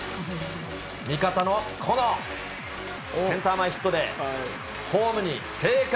味方のこのセンター前ヒットでホームに生還。